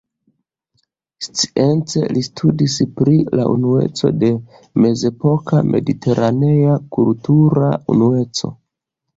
Science li studis pri la unueco de mezepoka mediteranea kultura unueco.